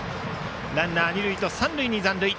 ランナー、二塁と三塁に残塁。